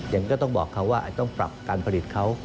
ก็ต้องบอกเขาว่าต้องปรับการผลิตเขา